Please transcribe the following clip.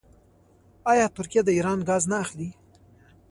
آیا ترکیه د ایران ګاز نه اخلي؟